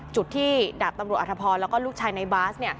จุดที่ดาบตำรวจอธพรแล้วก็ลูกชายในบาส